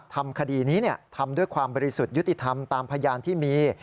ทำคดีนี้ทำด้วยความบริสุทธิ์ยุติธรรมตามพยานที่มี